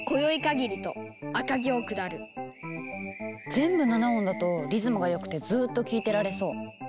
全部７音だとリズムがよくてずっと聴いてられそう。